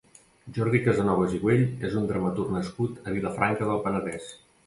Jordi Casanovas i Güell és un dramaturg nascut a Vilafranca del Penedès.